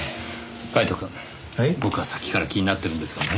カイトくん僕はさっきから気になってるんですがね